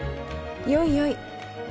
よいよい。